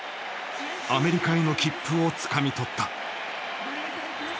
アメリカへの切符をつかみ取った。